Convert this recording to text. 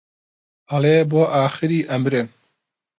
ئەڵێ بۆ ئاخری ئەمرن